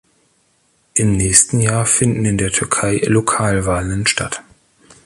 Im nächsten Jahr finden in der Türkei Lokalwahlen statt.